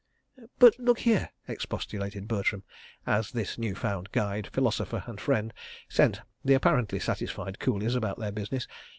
"But, look here," expostulated Bertram, as this new found guide, philosopher and friend sent the apparently satisfied coolies about their business.